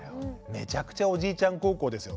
めちゃくちゃおじいちゃん孝行ですよ。